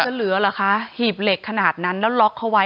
เหลือเหรอคะหีบเหล็กขนาดนั้นแล้วล็อกเขาไว้